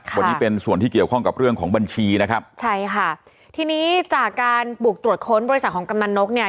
วันนี้เป็นส่วนที่เกี่ยวข้องกับเรื่องของบัญชีนะครับใช่ค่ะทีนี้จากการบุกตรวจค้นบริษัทของกำนันนกเนี่ย